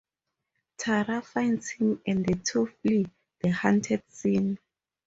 Tara finds him and the two flee the haunted scene.